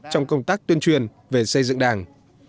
trong công tác tuyên truyền về xây dựng đảng